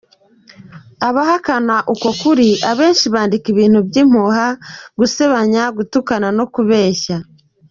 Abahakana uko ukuri, akenshi bandika ibintu by’impuha, gusebanya, gutukana no kubeshya.